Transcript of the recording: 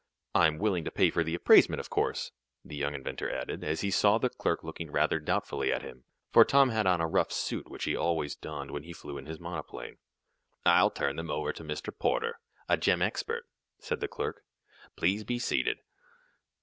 "I'm willing to pay for the appraisement, of course," the young inventor added, as he saw the clerk looking rather doubtfully at him, for Tom had on a rough suit, which he always donned when he flew in his monoplane. "I'll turn them over to our Mr. Porter, a gem expert," said the clerk. "Please be seated."